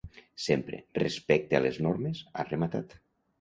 Sempre, respecte a les normes, ha rematat.